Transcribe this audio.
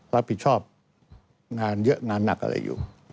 รับผิดชอบงานเยอะงานหนักอะไรอยู่